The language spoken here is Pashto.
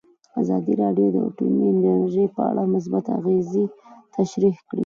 ازادي راډیو د اټومي انرژي په اړه مثبت اغېزې تشریح کړي.